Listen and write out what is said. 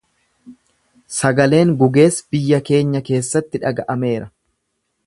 sagaleen gugees biyya keenya keessatti dhaga'ameera;